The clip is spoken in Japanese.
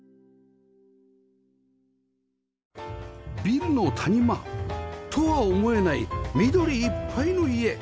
ビルの谷間とは思えない緑いっぱいの家